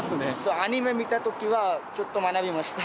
アニメ見たときは、ちょっと学びました。